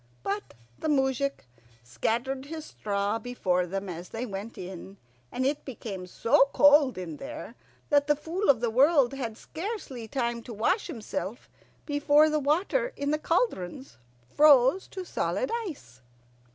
But the moujik scattered his straw before them as they went in, and it became so cold in there that the Fool of the World had scarcely time to wash himself before the water in the cauldrons froze to solid ice.